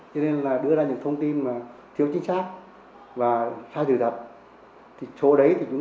còn một nhóm nữa là một số đối tượng